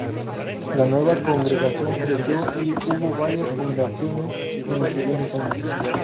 La nueva congregación creció y hubo varias fundaciones en los siguientes años.